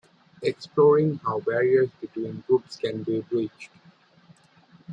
Exploring how barriers between groups can be breached.